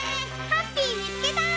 ハッピーみつけた！